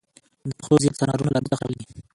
د پښتو زیات ژانرونه له عربي څخه راغلي دي.